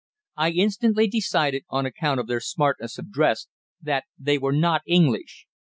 I instantly decided, on account of their smartness of dress, that they were not English.